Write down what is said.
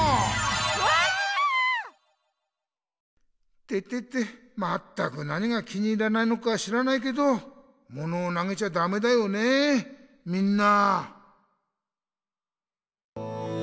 うわあ！てててまったく何が気に入らないのか知らないけどモノをなげちゃダメだよねえみんな。